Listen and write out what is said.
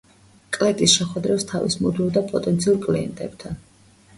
კლეტის შეხვედრებს თავის მუდმივ და პოტენციურ კლიენტებთან.